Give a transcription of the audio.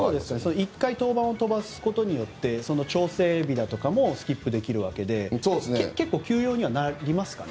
１回登板を飛ばすことによって調整日だとかもスキップできて休養になりますかね。